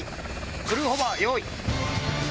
クルーホバー用意！